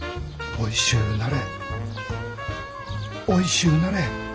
おいしゅうなれ。